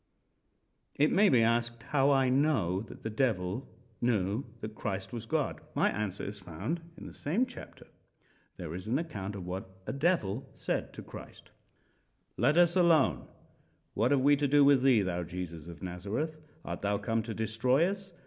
It may be asked how I know that the Devil knew that Christ was God. My answer is found in the same chapter. There is an account of what a devil said to Christ: "Let us alone. What have we to do with thee, thou Jesus of Nazareth? Art thou come to destroy us?